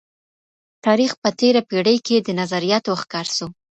تاریخ په تیره پیړۍ کي د نظریاتو ښکار سو.